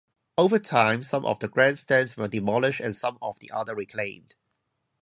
Over time, some of the grandstands were demolished and some of the outer reclaimed.